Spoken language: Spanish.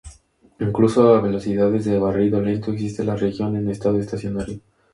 Incluso a velocidades de barrido lento existe la región en estado estacionario.